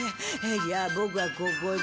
じゃあボクはここで。